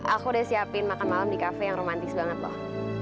aku udah siapin makan malam di kafe yang romantis banget loh